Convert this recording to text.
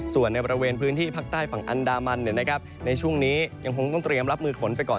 ส่วนในบริเวณพื้นที่ภาคใต้ฝั่งอันดามันในช่วงนี้ยังคงต้องเตรียมรับมือฝนไปก่อน